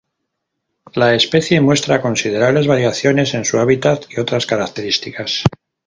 La especie muestra considerables variaciones en su hábitat y otras características.